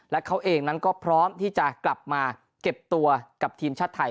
และเขาเองนั้นก็พร้อมที่จะกลับมาเก็บตัวกับทีมชาติไทย